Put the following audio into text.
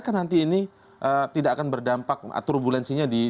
sampaiin tidak bisaatif